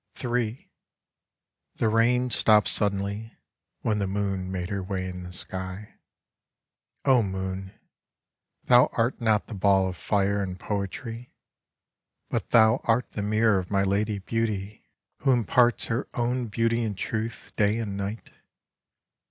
m The rain stopped suddenly, when the moon made her way in the sky. O Moon ! thou art not the ball of fire and poetry, but thou art the mirror of my Lady Beauty who Prose Poems 75 imparts her own Beauty and Truth, day and night